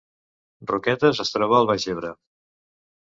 Roquetes es troba al Baix Ebre